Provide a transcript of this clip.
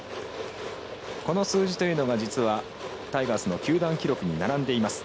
この数字というのが実はタイガースの球団記録に並んでいます。